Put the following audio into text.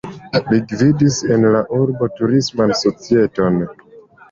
Li gvidis en la urbo turisman societon.